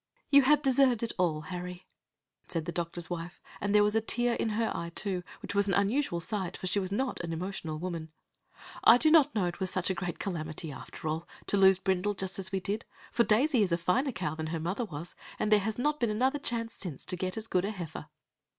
"You have deserved it all, Harry," said the doctor's wife, and there was a tear in her eye, too, which was an unusual sight, for she was not an emotional woman. "I do not know as it was such a great calamity, after all, to lose Brindle just as we did, for Daisy is a finer cow than her mother was, and there has not been another chance since to get as good a heifer."